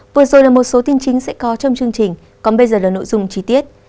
vừa rồi là một số tin chính sẽ có trong chương trình còn bây giờ là nội dung chi tiết